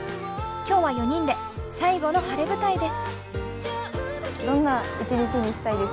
今日は４人で最後の晴れ舞台です。